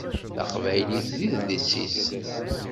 Taqbaylit d idles-is.